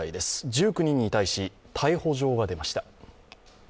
１９人に対し逮捕状が出ました。